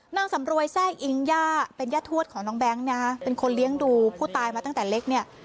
นางสำรวยแทรกอิงย่าเป็นย่าทวดของน้องแบงค์นะฮะเป็นคนเลี้ยงดูผู้ตายมาตั้งแต่เล็กเนี่ย